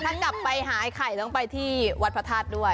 จะกลับไปหาไอ้ไข่จะต้องไปที่วัดพระทาสด้วย